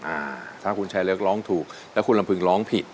อ่าถ้าคุณชายเล็กร้องถูกแล้วคุณลำพึงร้องผิด